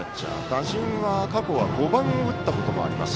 打順は過去は５番を打ったこともあります。